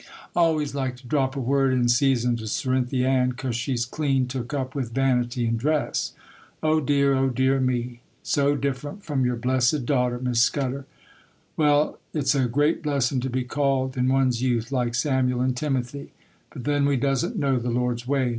I always like to drop a word in season to Cerinthy Ann, 'cause she's clean took up with vanity and dress. Oh, dear! oh, dear me! so different from your blessed daughter, Miss Scudder! Well, it's a great blessin' to be called in one's youth, like Samuel and Timothy; but then we doesn't know the Lord's ways.